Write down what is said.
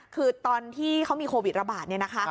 คือตอนที่เขามีโควิดระบาดเนี่ยนะคะ